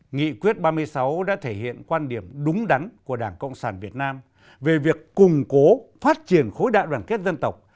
nghị quyết ba mươi sáu đã thể hiện quan điểm đúng đắn của đảng cộng sản việt nam về việc củng cố phát triển khối đại đoàn kết dân tộc